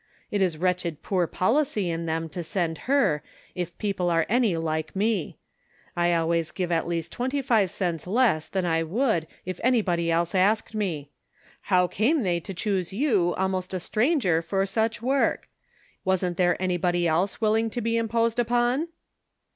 It is wretched poor policy in them to send her, if people are any like me ; I always give at least twenty five cents less than I would if anybody else asked me. How came they to choose you, almost a stranger, for such work ? Wasn't there anybody else willing to be im posed upon?"